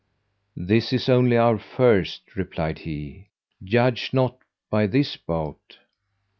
"This is only our first," replied he, "judge not by this bout."